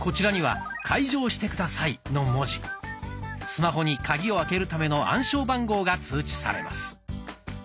スマホにカギを開けるための暗証番号が通知されます。